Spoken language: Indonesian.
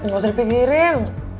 gak usah dipikirin